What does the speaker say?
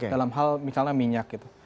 dalam hal misalnya minyak gitu